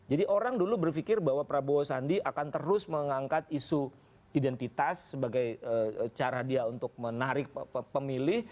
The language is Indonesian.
orang dulu berpikir bahwa prabowo sandi akan terus mengangkat isu identitas sebagai cara dia untuk menarik pemilih